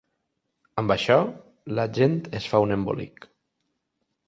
Amb això, la gent es fa un embolic.